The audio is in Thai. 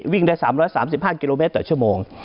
วิ่งได้๓๓๕กิโลเมตรต่อชั่วโมง